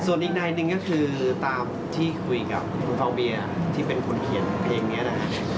ส่วนอีกใยหนึ่งก็คือตามที่คุยกับคุณฟังเบียคนเขียนเพลงนี้